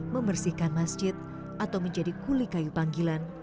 membersihkan masjid atau menjadi kuli kayu panggilan